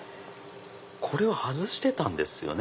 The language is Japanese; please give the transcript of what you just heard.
これを外してたんですよね